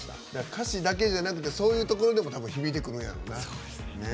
歌詞だけじゃなくてそういうところも響いてくるんやろな。